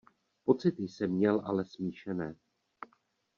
Pocity jsem měl ale smíšené.